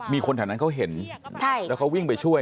มีคนแถวนั้นเขาเห็นแล้วเขาวิ่งไปช่วย